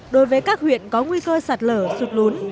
đối với các huyện có nguy cơ sạt lở sụt lún